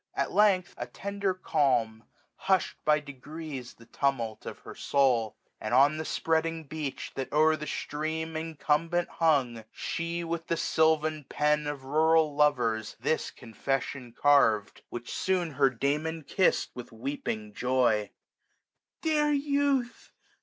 At length, a tender calm 1360 Hushed by degrees the tumult of her foul ; And on the spreading beech, that o'er the stream Incumbent hung, she with the sylvan pen Of rural lovers this confession carv'd, Which soon her Damon kiss'd with weeping joy : 1 365 SUMMER. 101 ^^ Dear youth